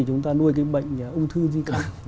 chúng ta nuôi cái bệnh ung thư gì cả